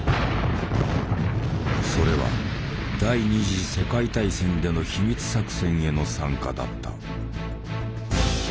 それは第二次世界大戦での秘密作戦への参加だった。